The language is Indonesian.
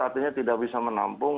artinya tidak bisa menampung